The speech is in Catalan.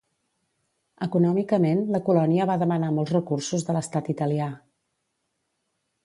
Econòmicament la colònia va demanar molts recursos de l'estat italià.